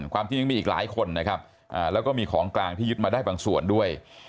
ความจริงยังมีอีกหลายคนนะครับแล้วก็มีของกลางที่ยึดมาได้บางส่วนด้วย